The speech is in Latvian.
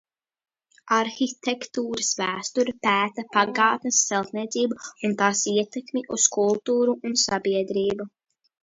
Arhitektūras vēsture pēta pagātnes celtniecību un tās ietekmi uz kultūru un sabiedrību.